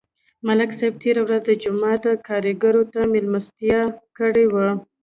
ملک صاحب تېره ورځ د جومات کارګرو ته مېلمستیا کړې وه